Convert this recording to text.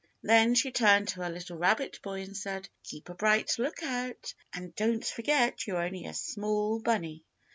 Then she turned to her little rabbit boy and said, "Keep a bright lookout, and don't forget you're only a small bunny."